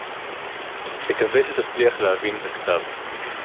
אֲקַוֶּה שֶׁתַּצְלִיחַ לְהָבִין אֶת הַכְּתָב.